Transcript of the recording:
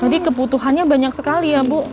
kebutuhannya banyak sekali ya bu